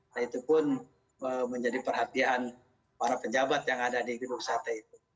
nah itu pun menjadi perhatian para pejabat yang ada di bukit bukit satu itu